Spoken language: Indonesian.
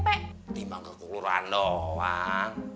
tidak bang ke kelurahan doang